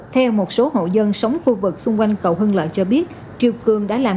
theo một số hậu dân sống khu vực xung quanh cầu hưng lợi cho biết triều cương đã làm